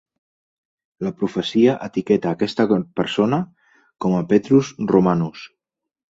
La profecia etiqueta aquesta persona com a Petrus Romanus.